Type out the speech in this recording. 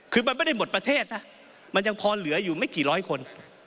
คือมันไม่ได้หมดประเทศนะมันยังพอเหลืออยู่ไม่กี่ร้อยคน